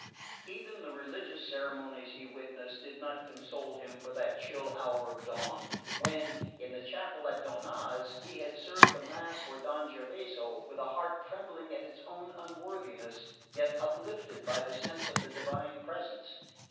Even the religious ceremonies he witnessed did not console him for that chill hour of dawn, when, in the chapel at Donnaz, he had served the mass for Don Gervaso, with a heart trembling at its own unworthiness yet uplifted by the sense of the Divine Presence.